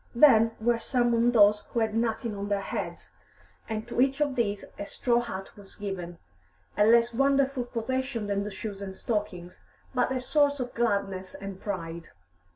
Then were summoned those who had nothing on their heads, and to each of these a straw hat was given, a less wonderful possession than the shoes and stockings, but a source of gladness and pride.